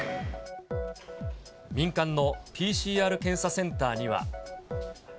民間のＰＣＲ検査センターには。